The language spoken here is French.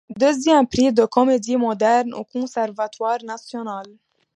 Deuxième Prix de Comédie Moderne au Conservatoire National.